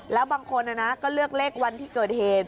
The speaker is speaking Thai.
แล้วบางคนก็เลือกเลขวันที่เกิดเหตุ